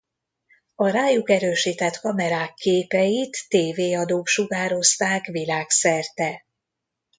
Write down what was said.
A rájuk erősített kamerák képeit tévéadók sugározták világszerte.